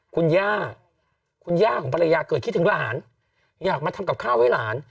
คุณย่าคุณย่าของภรรยาเกิดคิดถึงหลานอยากมาทำกับข้าวให้หลาน